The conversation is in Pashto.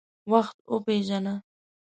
وخت وپیژنه.